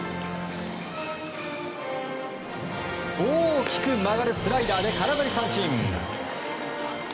大きく曲がるスライダーで空振り三振。